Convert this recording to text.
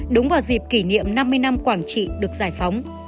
đúng vào dịp kỷ niệm năm mươi năm quảng trị được giải phóng